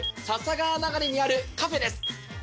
川流れにあるカフェです